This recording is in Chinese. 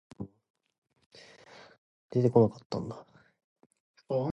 主播什么时候解除我的直播间禁言啊